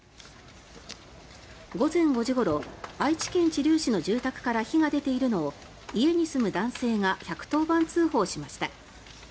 午前５時ごろ、愛知県知立市の住宅から火が出ているのを家に住む男性が１１０番通報しました。